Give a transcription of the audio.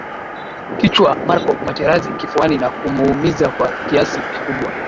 Kichwa Marco Materazzi kifuani na kumuumiza kwa kiasi kikubwa